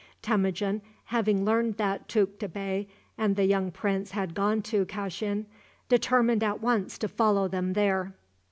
Temujin, having learned that Tukta Bey and the young prince had gone to Kashin, determined at once to follow them there.